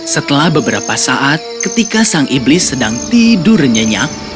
setelah beberapa saat ketika sang iblis sedang tidur nyenyak